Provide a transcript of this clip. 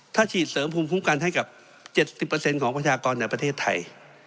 ถ้าฉีดเสริมภูมิคุ้มกันให้กับ๗๐ของประชากรในประเทศไทย